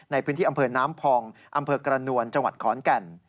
ในพื้นที่อำเภอน้ำพองอำเภอกระนวลจังหวัดขอนแก่น